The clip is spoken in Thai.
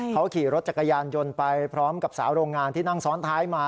เขาขี่รถจักรยานยนต์ไปพร้อมกับสาวโรงงานที่นั่งซ้อนท้ายมา